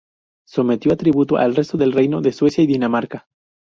Sometió a tributo al resto del reino de Suecia y Dinamarca.